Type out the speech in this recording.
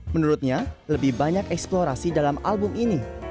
menurutnya lebih banyak eksplorasi dalam album ini